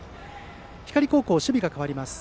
光高校、守備が代わります。